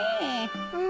うん。